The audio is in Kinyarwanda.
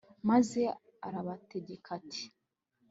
maze arabategeka ati